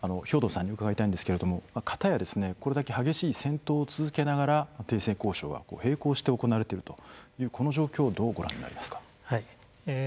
兵頭さんに伺いたいんですけれどもこれだけ激しい戦闘を続けながら停戦交渉が平行して行われているという、この状況をどうご覧になりますか？